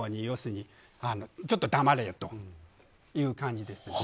要するにちょっと黙れよという感じです。